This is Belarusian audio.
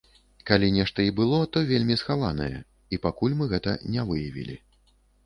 Калі нешта і было, то вельмі схаванае, і пакуль мы гэта не выявілі.